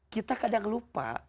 kita kadang lupa